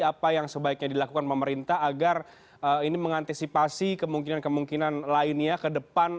apa yang sebaiknya dilakukan pemerintah agar ini mengantisipasi kemungkinan kemungkinan lainnya ke depan